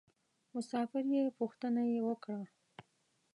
مسافر یې پوښتنه یې وکړه.